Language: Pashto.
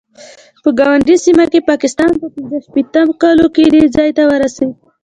په ګاونډۍ سیمه کې پاکستان په پنځه شپېته کالو کې دې ځای ته ورسېد.